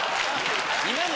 今の。